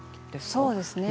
そうですね。